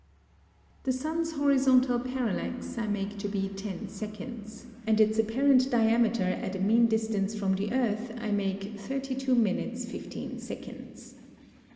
The Sun's Horizontal Parallax I make to be 10 seconds, and its apparent Diameter at a mean distance from the Earth, I make 32 minutes, 15 seconds.